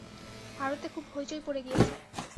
ভারতে খুব হইচই পড়ে গিয়েছে।